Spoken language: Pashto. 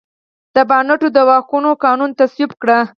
د بانټو د واکونو قانون تصویب کړ.